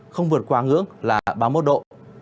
không vượt quá ngưỡng là ba mươi một độ